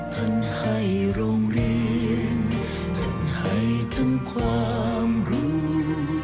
ท่านให้โรงเรียนจึงให้ทั้งความรู้